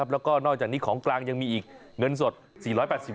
เล่นอะไรผสม๑๐